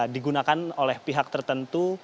digunakan oleh pihak tertentu